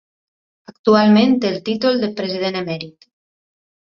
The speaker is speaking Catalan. Actualment té el títol de President Emèrit.